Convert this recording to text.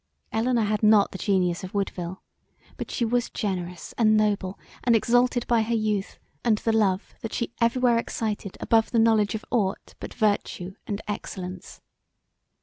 Elinor had not the genius of Woodville but she was generous and noble, and exalted by her youth and the love that she every where excited above the knowledge of aught but virtue and excellence.